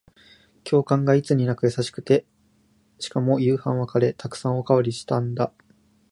教官がいつになく優しくて、しかも夕飯はカレー。沢山おかわりしたんだ。